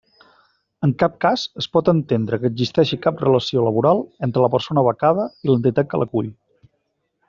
En cap cas, es pot entendre que existeixi cap relació laboral entre la persona becada i l'entitat que l'acull.